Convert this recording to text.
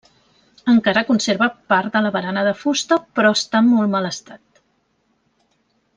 Encara conserva part de la barana de fusta però està en molt mal estat.